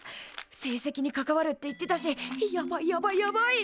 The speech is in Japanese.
成績に関わるって言ってたしやばいやばいやばい。